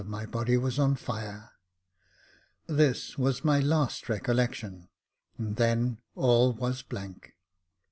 my body was on fire. This was my last recol lection, and then all was blank.